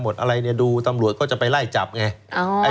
ดูตำรวจก็จะไปไล่จับไง